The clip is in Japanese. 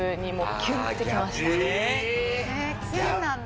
キュンなんだ。